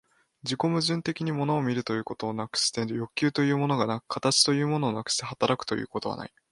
自己矛盾的に物を見るということなくして欲求というものがなく、形というものなくして働くということはない。